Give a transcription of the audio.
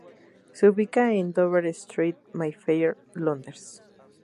Se ubica en Dover Street, Mayfair, Londres.